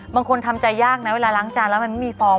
บางคนทำใจยากนะเวลาล้างจานแล้วมันไม่มีฟอง